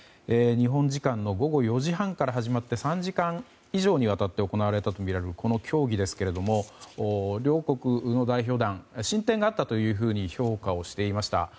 日本時間の午後４時半から始まり３時間以上にわたって行われたこの協議ですけれども両国の代表団は進展があったというふうに評価をしていました。